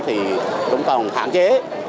thì cũng còn hạn chế